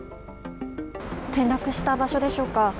転落した場所でしょうか。